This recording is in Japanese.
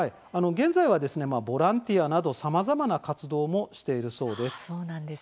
現在は、ボランティアなどさまざまな活動もしているそうです。